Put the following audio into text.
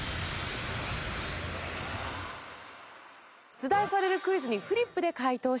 出題されるクイズにフリップで解答してください。